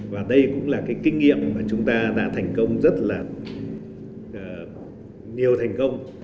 và đây cũng là cái kinh nghiệm mà chúng ta đã thành công rất là nhiều thành công